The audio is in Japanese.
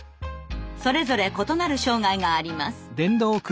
それぞれ異なる障害があります。